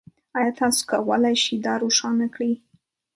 ایا تاسو کولی شئ دا روښانه کړئ؟